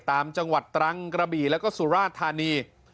ตามจังหวัดตรังกระบี่แล้วก็สุราธานี